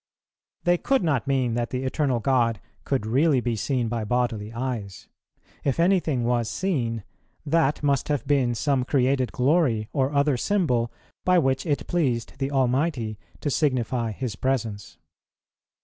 They could not mean that the Eternal God could really be seen by bodily eyes; if anything was seen, that must have been some created glory or other symbol, by which it pleased the Almighty to signify His Presence.